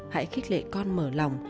hãy khích lệ con mở lòng